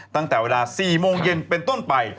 ตั้งแต่เวลา๔โมงเย็นเป็นต้นไป